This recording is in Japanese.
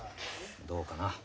どうかな。